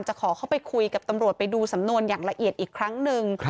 ขอเข้าไปคุยกับตำรวจไปดูสำนวนอย่างละเอียดอีกครั้งหนึ่ง